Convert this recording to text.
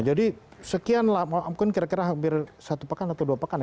jadi sekian lah mungkin kira kira hampir satu pekan atau dua pekan ya